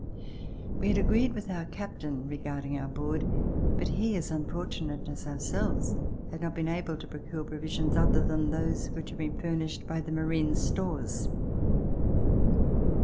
We had agreed with the captain regarding our board, but he, as unfortunate as ourselves, had not been able to procure provisions other than those which had been furnished by the marine stores.